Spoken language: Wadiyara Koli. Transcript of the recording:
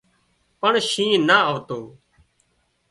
پڻ شينهن نا آوتو